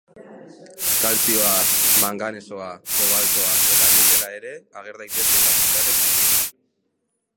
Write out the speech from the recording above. Kaltzioa, manganesoa, kobaltoa eta nikela ere ager daitezke kantitate txikietan.